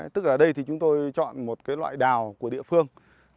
tức là ở đây thì chúng tôi chọn một cái loại đào của địa phương